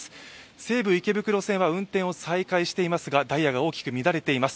西武池袋線は運転を再開していますがダイヤが大きく乱れています。